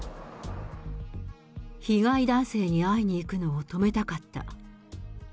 被害男性に会いに行くのを止めたかった。